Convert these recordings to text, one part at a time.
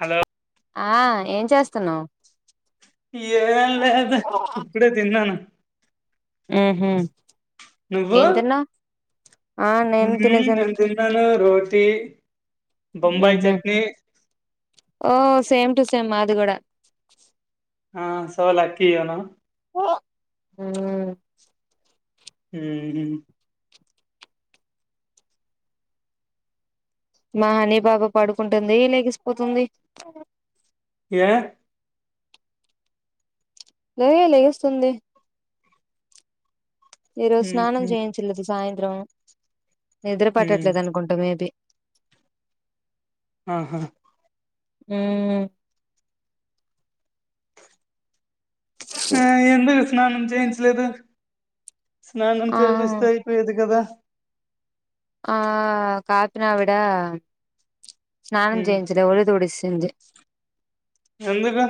Hello ఆ ఏం చేస్తున్నావు ఏం లేదు ఇప్పుడే తిన్నాను హ ఏ తిన్నా హ నను రోటీ బొంబాయి చట్నీ ఓ సేమ్ టు సేమ్ మాది కూడా ఆ సోలక్కయ్యను హ ఉహు మా హనీ పాపా పడుకుంటుంది లేగిసిపోతుంది ఏ లలేస్తుస్తుంది ఈ రోజు మ్మ్ స్నానం చేయించల్ సాయంత్రం నిద్ర మ్మ్ పట్టట్లేదు అనుకుంటా మేబీ ఆహా మ్మ్ ఆ ఎందుకు స్నానం చేయించలేదు స్నానం ఆ చేపిస్తే అయిపోయేది కదా ఆ కాఫినా విడ స్నానం మ్మ్ చేయంచలే ఉలిదొడిచ తింధి ఎందుకు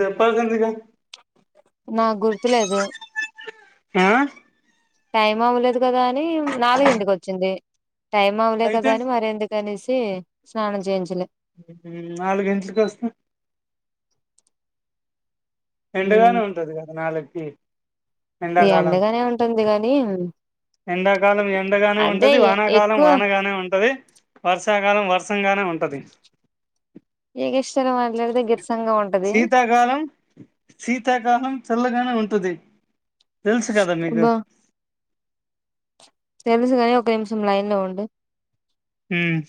చెప్పాలి ఎందుక నాకు గుర్తులేదు ఆ టైం అవ్వలేదు కదా అని నాలుగింటికి వచ్చింది టైం అవ్వలే అయితే కదా అని మర ఎందుకు అనేసి స్నానం చేయించలేదు నాలుగు గంటలకి వస్తా ఉమ్, ఎండుగానే ఉంటది కదా నాలుకి ఈ ఎండగానే ఉంటుంది గాని ఎండాకాలం ఎండగానే అదే ఉంటది ఎ- వానాకాలం ఎక్కువ వానగానే ఉంటది వర్షాకాలం వర్షంగానే ఉంటది. ఎగెస్టల్ మాట్లాడుతే ఎగ్ శీతాకాలం, శీతాకాలం చల్లగానే ఉంటది. తెల్సు కదా నీకు తేల్స్ గానీ ఒక నిమిషం లైన్ లో ఉండు. ఉహ్మ్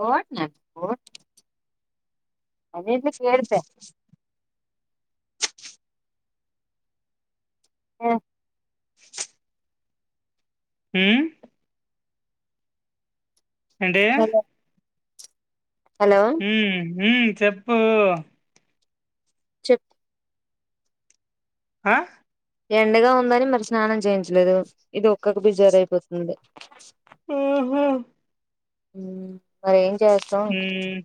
వోట్ న పోట్ అ చేస ఆఓ ఉమ్ ఏంటి హలో హలో ఉమ్ ఉమ్ చెప్పు చెప్ ఆ ఎండగా ఉందని మరి స్నానం చేయించలేదు. ఇది ఒక్కొక్క బిజర అయిపోతుంది. ఓహో ఉమ్ మరి ఏం చేస్తాం. ఉమ్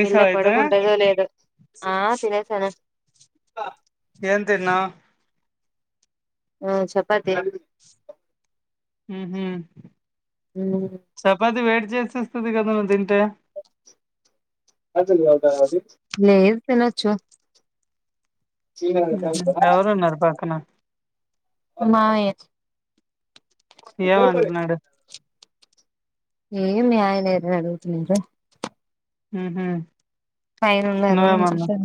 పిల్లా అయితే పడుగుంటదో లేదో. ఆ తినేసాను ఏం తిన్నావ్? ఆ చపాతి ఉమ్ హు ఉమ్, చపాతి వెడ్ చేసేస్తది కదా. నవ్వు తింటే లేద్ తిన్నొచ్చు ఎవరునర్పాకనా మా మామయ్య ఏం అంట్న్నాడు ఏ మీ ఆయనేటుబోయిండు బుజ్జి అంటే ఉహ్ హు పైనున్నారు నేనుచూసొద్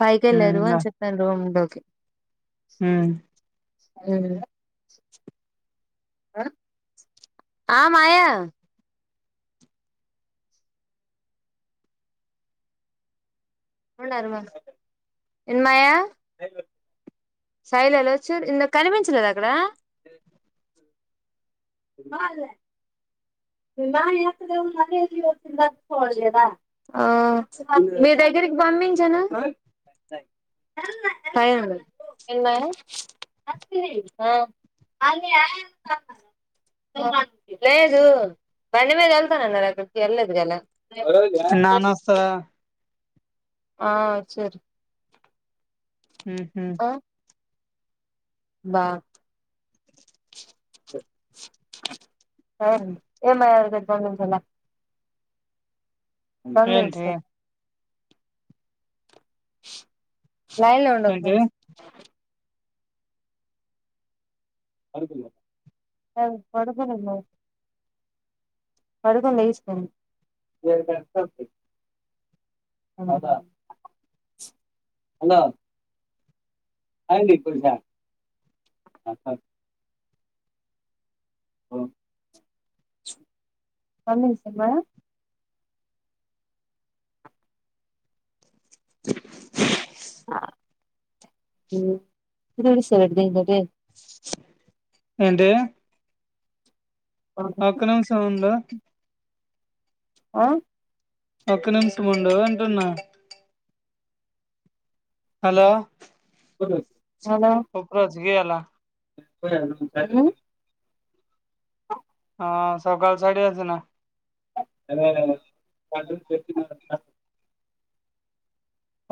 పైకి ఉమ్ వెళ్ళారు దా అని చెప్పను రూంలోకి ఉమ్ సరేలే ఆ ఆ మాయా ఉన్నారుమాస్ ఎంద్ మాయా సరిలేలోచ్చర్ ఇనాక్ కనిమించలేదా అక్కడ. బాల ఆ మీ దగ్గరికి భంబించాన టైం ఏందే ఆ లేదు బండి మీద ఎళ్తాన అన్నరక్కకి [unintelligible] వెళ్ళేద్ గధ నానోస్తారా ఆ వచ్చరూ ఉమ్ హు బాత్ సరేలే ఏం బంబించాలా [unintelligible] ఏంటి సార్ లైన్లో ఉండు ఏంటి ఒకనిమ్షం అయిన్ పడుకునడు మామ్ పడుకొన్ని లేసిపోయిండు హలో [unintelligible] [unintelligible] [unintelligible] ఏంటి ఒక నిమిషం ఉండు ఆ ఒక్క నిమిషంముండు అంటున్నా, హలో హలో చేయాలా ఉ ఆ సోకలు సారి చేస్తున్న హాలో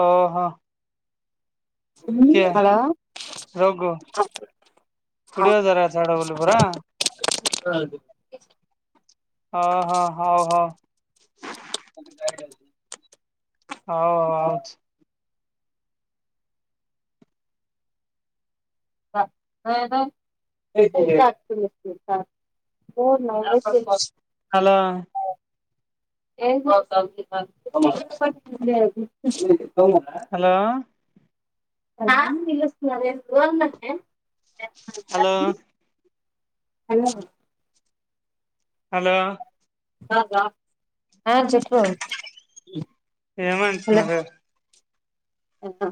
ఓహో కే హలో రఘు కుడివ జరా చడ బలి పరా [unintelligible] ఆహా ఆఓహా అవు అవుచ్చు [unintelligible] హలో [unintelligible] ఏ హలో [unintelligible] హలో హలో హలో ఆ చెప్పు హలో ఏమంటున్నారు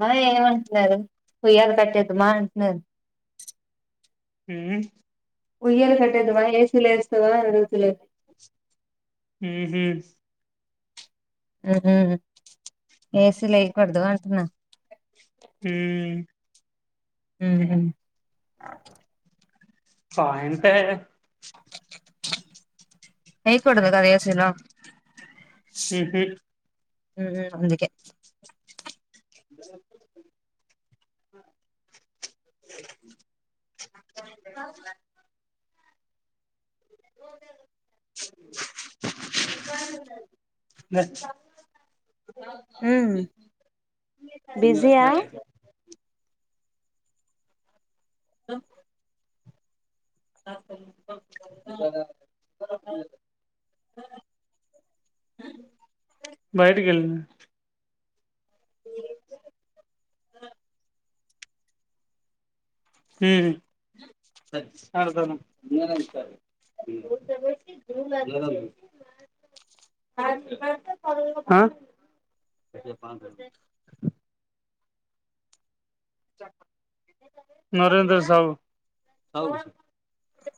ఆ ఏమంటున్నారు ఉయ్యలు కట్టేదు మా అంటున్నారు, ఊ ఉయ్యల్ కట్టేదుమా ఏసీలో ఏస్తువా అడు గుతునారు, ఉహు ఏసీ లా ఎయకూడదు అంటున్నా, హు ఉహు పాయింటే వెయ్యకూడదు కదా ఏసీలో ఉహు ఉహు అందుకే [unintelligible] [unintelligible] [unintelligible] లే ఉ బిజీయా [unintelligible] [unintelligible] బయటకి వెళ్లి [unintelligible] ఉహు [unintelligible] ఆహ్ కొద్దిగా పాన్ [unintelligible] నరేంద్ర సాబ్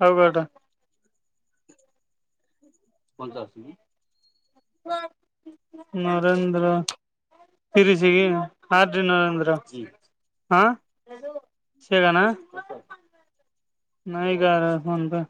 అవుగటా నరేంద్ర తరిసిగి హడ్రీ నరేంద్ర ఆ చేయగన నాయిగారా ఒంతా